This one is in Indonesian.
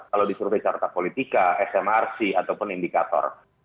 kalau disurvei carta politika smrc ataupun indikator